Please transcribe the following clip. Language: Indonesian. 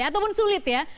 atau pun sulit ya